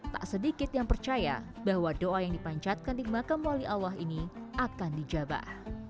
tak sedikit yang percaya bahwa doa yang dipancatkan di makam wali allah ini akan dijabah